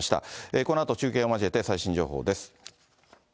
このあと中継を交えて、最新情報です。